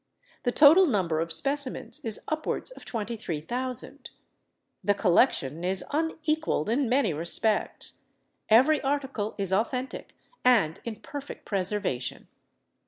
The total number of specimens is upwards of 23,000. The collection is unequalled in many respects; every article is authentic and in perfect preservation.